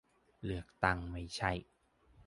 เลือกตั้งไม่ใช่